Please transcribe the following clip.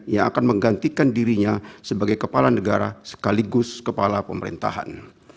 yang akan menggantikan dirinya sebagai kepala negara sekaligus kepala pemerintahan